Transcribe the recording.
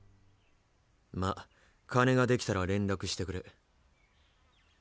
まあ金ができたら連絡してくれ。